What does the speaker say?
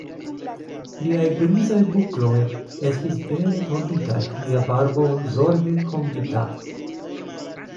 Liaj grizaj bukloj estis bele tonditaj, lia barbo zorge kombita.